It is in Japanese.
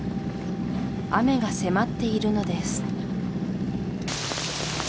雨が迫っているのです